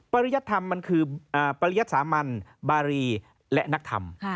ริยธรรมมันคือปริยัติสามัญบารีและนักธรรม